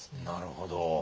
なるほど。